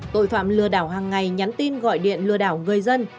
tội phạm lừa đảo hàng ngày nhắn tin gọi điện lừa đảo người dân